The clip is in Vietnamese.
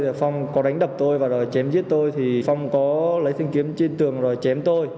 là phong có đánh đập tôi và rồi chém giết tôi thì phong có lấy thanh kiếm trên tường rồi chém tôi